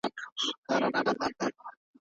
مه ځه، ځکه چې ستا شتون زما یوازینی سکون دی.